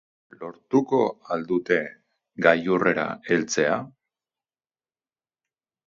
Lortuko al dute gailurrera heltzea?